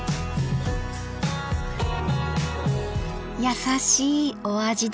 優しいお味です。